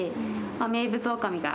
名物おかみが。